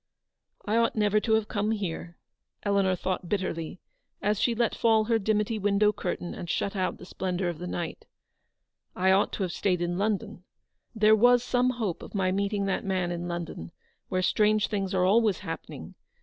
"I ought never to have come here," Eleanor thought bitterly, as she let fall her dimity window curtain and shut out the splendour of the night. 270 ELEANORS VICTORY. " I ought to have stayed in London j there was some hope of my meeting that man in London, where strange things are always happening.